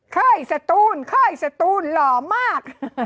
เคยสตูนเคยสตูนหล่อมาก